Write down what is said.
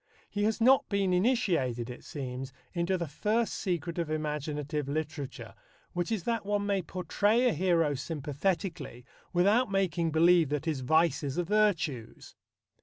He has not been initiated, it seems, into the first secret of imaginative literature, which is that one may portray a hero sympathetically without making believe that his vices are virtues.